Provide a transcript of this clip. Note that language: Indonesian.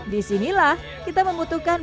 disinilah kita membutuhkan